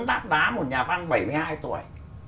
đát đá một nhà văn bảy mươi hai tuổi